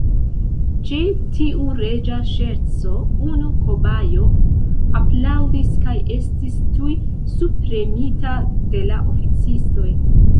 Ĉe tiu reĝa ŝerco, unu kobajo aplaŭdis, kaj estis tuj subpremita de la oficistoj.